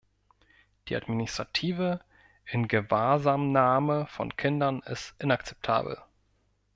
Die administrative Ingewahrsamnahme von Kindern ist inakzeptabel.